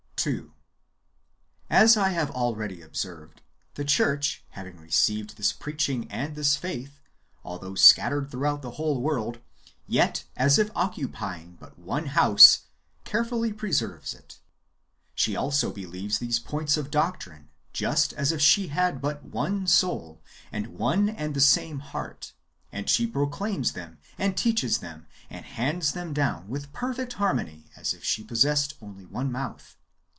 2. As I have already observed, the church, having received this preaching and this faith, although scattered through out the whole world, yet, as if occupying but one house, carefully preserves it. She also believes these points [of doctrine] just as if she had but one soul, and one and the same heart, and she proclaims them, and teaches them, and hands them down, with perfect harmony, as if she possessed only one mouth.